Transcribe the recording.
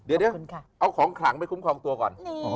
เดี๋ยวเอาของขลังไปคุ้มครองตัวก่อน